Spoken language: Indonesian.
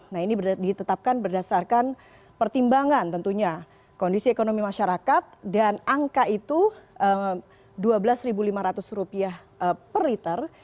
nah ini ditetapkan berdasarkan pertimbangan tentunya kondisi ekonomi masyarakat dan angka itu rp dua belas lima ratus per liter